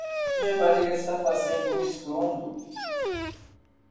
minha barriga está fazendo um estrondo